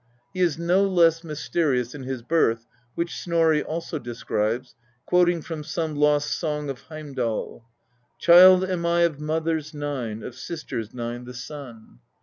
He is no less mysterious in his birth, which Snorri also describes, quoting from some lost " Song of Heimdal ": Child am I of mothers nine, of sisters nine the son.